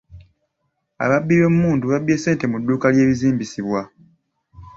Ababbi b'emmundu babbye ssente mu dduuka ly'ebizimbisibwa.